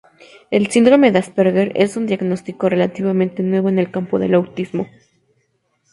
El síndrome de Asperger es un diagnóstico relativamente nuevo en el campo del autismo.